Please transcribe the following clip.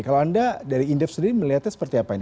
kalau anda dari indef sendiri melihatnya seperti apa ini